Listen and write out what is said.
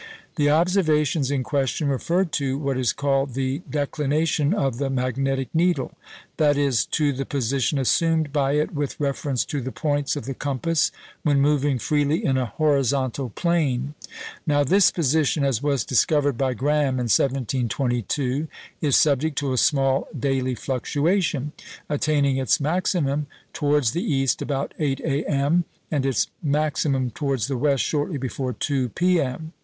The observations in question referred to what is called the "declination" of the magnetic needle that is, to the position assumed by it with reference to the points of the compass when moving freely in a horizontal plane. Now this position as was discovered by Graham in 1722 is subject to a small daily fluctuation, attaining its maximum towards the east about 8 A.M., and its maximum towards the west shortly before 2 P.M.